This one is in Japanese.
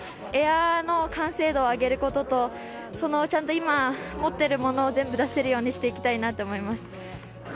エアの完成度を上げることと今、持っているもの全部出せるようにしていきたいと思います。